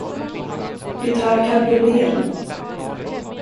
Vi tar cabrioleten.